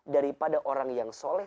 daripada orang yang soleh